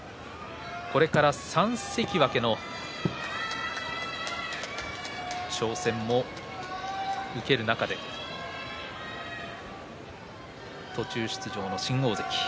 これから３関脇の挑戦も受ける中で途中出場の新大関。